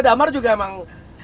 damar juga emang